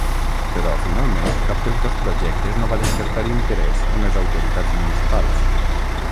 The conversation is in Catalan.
Però finalment cap dels dos projectes no va despertar interès en les autoritats municipals.